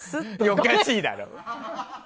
おかしいだろ！